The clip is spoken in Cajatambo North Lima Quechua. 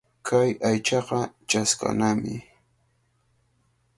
Kay aychaqa chashqanami.